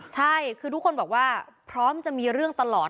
ใช่คือทุกคนบอกว่าพร้อมจะมีเรื่องตลอด